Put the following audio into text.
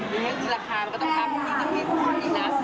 ราคามันก็ต้องการพรุ่งนี้พรุ่งนี้พรุ่งนี้นะ